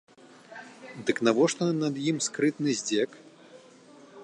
Дык навошта над ім скрытны здзек?